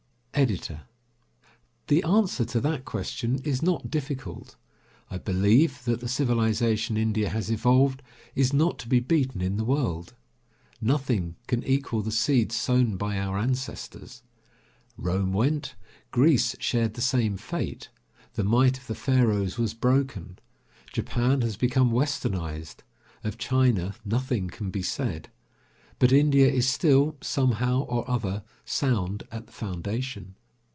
EDITOR: The answer to that question is not difficult. I believe that the civilization India has evolved is not to be beaten in the world. Nothing can equal the seeds sown by our ancestors. Rome went, Greece shared the same fate, the might of the Pharaohs was broken, Japan has become westernised, of China nothing can be said, but India is still, somehow or other, sound at the foundation.